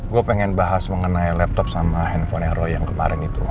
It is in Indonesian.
gue pengen bahas mengenai laptop sama handphone roy yang kemarin itu